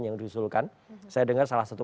yang diusulkan saya dengar salah satu